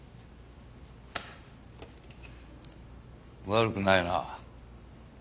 悪くないな。